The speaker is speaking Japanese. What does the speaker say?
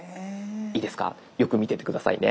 いいですかよく見てて下さいね。